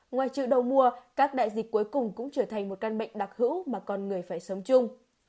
ngoài chợ đầu mùa các đại dịch cuối cùng cũng trở thành một căn bệnh đặc hữu mà con người phải sống chung